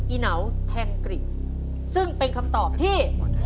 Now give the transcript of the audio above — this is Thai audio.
ีเหนาแทงกริจซึ่งเป็นคำตอบที่